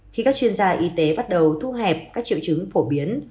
khi các chuyên gia y tế bắt đầu thu hẹp các triệu chứng phổ biến